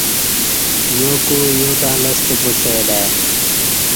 یاکُع یا تں لستہ پاچیں الہ ای